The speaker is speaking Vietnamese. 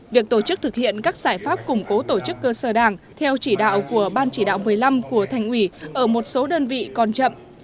việc tổ chức thực hiện các giải pháp củng cố tổ chức cơ sở đảng theo chỉ đạo của ban chỉ đạo một mươi năm của thành ủy ở một số đơn vị còn chậm